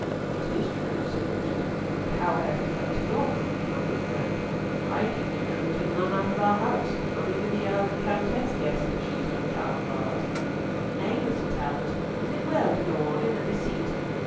"It is true," said Richard, "but how hath it come to your knowledge, my good friend? I deemed it known to none out of our house; not even the Earl and Countess guess that she is no child of ours." "Nay, Mr. Talbot, is it well to go on in a deceit?"